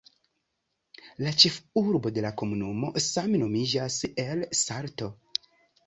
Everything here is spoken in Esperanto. La ĉefurbo de la komunumo same nomiĝas "El Salto".